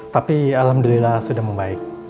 tapi alhamdulillah sudah membaik